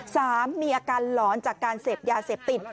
สามมีอาการหลอนจากการเสพยาเสพติด